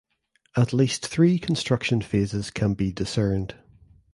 At least three construction phases can be discerned.